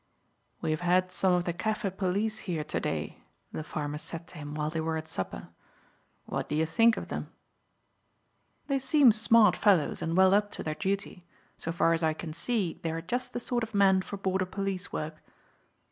"We have had some of the Kaffir police here to day," the farmer said to him while they were at supper. "What do you think of them?" "They seem smart fellows, and well up to their duty. So far as I can see they are just the sort of men for border police work."